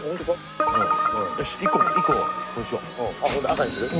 赤にする。